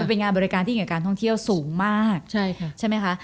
มันเป็นงานบริการที่อิงกับการท่องเที่ยวสูงมากใช่ค่ะใช่ไหมคะ